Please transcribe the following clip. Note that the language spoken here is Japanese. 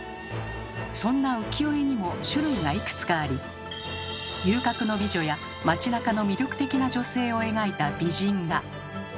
そんな浮世絵にも種類がいくつかあり遊郭の美女や町なかの魅力的な女性を描いた「美人画」